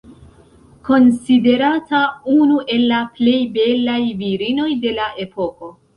Konsiderata unu el la plej belaj virinoj de la epoko.